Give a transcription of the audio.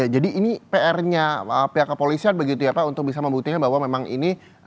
jadi ini prnya pihak kepolisian begitu ya pak untuk bisa membuktikan bahwa memang ini